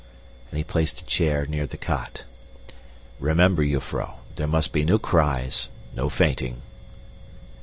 And he placed a chair near the cot. "Remember, jufvrouw, there must be no cries, no fainting."